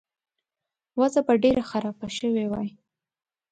وضع به ډېره خرابه شوې وای.